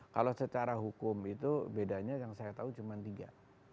kalau secara hukum itu bedanya yang saya tahu cuma tiga